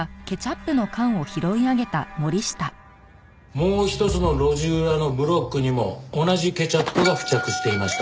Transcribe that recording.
もう一つの路地裏のブロックにも同じケチャップが付着していました。